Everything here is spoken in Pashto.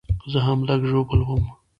زه هم لږ ژوبل وم